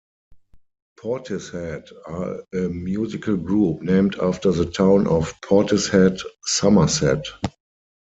Portishead are a musical group named after the town of Portishead, Somerset.